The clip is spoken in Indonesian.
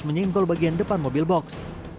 menyingkul bagian depan mobil boks